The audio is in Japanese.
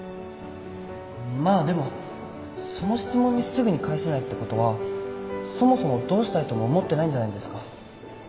まあでもその質問にすぐに返せないってことはそもそもどうしたいとも思ってないんじゃないですか？